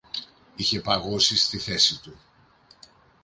Είχε παγώσει στη θέση του